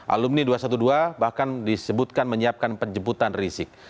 alumni dua ratus dua belas bahkan disebutkan menyiapkan penjemputan rizik